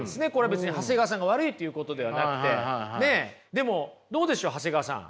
でもどうでしょう長谷川さん。